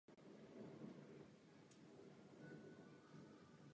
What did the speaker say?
Byla vůbec první ženskou absolventkou této umělecké školy.